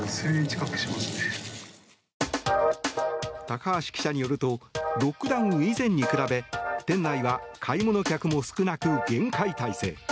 高橋記者によるとロックダウン以前に比べ店内は買い物客も少なく厳戒態勢。